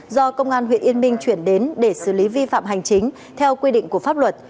do công an huyện yên minh chuyển đến để xử lý vi phạm hành chính theo quy định của pháp luật